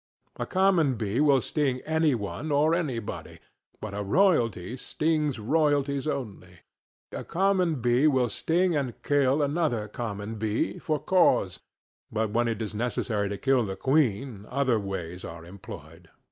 A common bee will sting any one or anybody, but a royalty stings royalties only. A common bee will sting and kill another common bee, for cause, but when it is necessary to kill the queen other ways are employed.